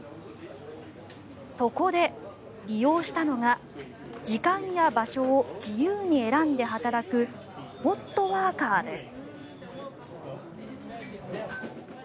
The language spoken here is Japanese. そこで利用したのが時間や場所を自由に選んで働くスポットワーカーです。